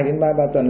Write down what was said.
đến ba mươi ba tuần